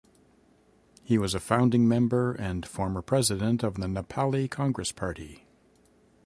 He was a founding member and former president of the Nepali Congress Party.